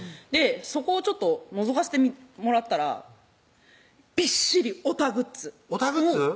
そこをちょっとのぞかせてもらったらびっしりオタグッズオタグッズ？